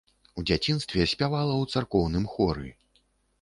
У дзяцінстве спявала ў царкоўным хоры.